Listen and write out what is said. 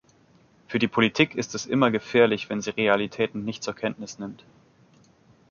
Für die Politik ist es immer gefährlich, wenn sie Realitäten nicht zur Kenntnis nimmt.